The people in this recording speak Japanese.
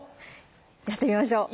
やってみましょう。